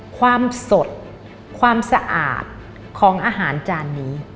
ความสดความสะอาดของอาหารจานนี้